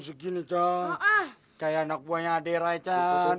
kayak anak buahnya adira chan